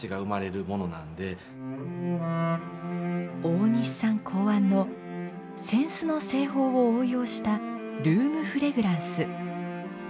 大西さん考案の扇子の製法を応用したルームフレグランス。